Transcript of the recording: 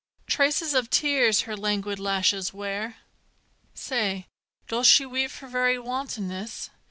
Traces of tears her languid lashes wear. Say, doth she weep for very wantonness?